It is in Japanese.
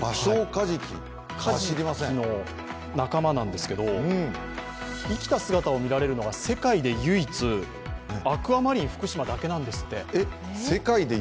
カジキの仲間なんですけど、生きた姿を見られるのが世界で唯一、アクアマリンふくしまだけなんですって。